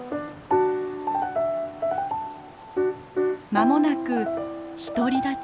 間もなく独り立ち。